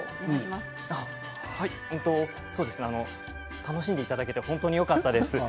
楽しんでいただけてよかったです。